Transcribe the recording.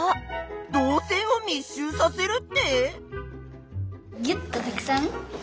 「導線を密集させる」って？